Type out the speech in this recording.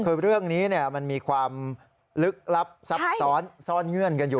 คือเรื่องนี้มันมีความลึกลับซับซ้อนซ่อนเงื่อนกันอยู่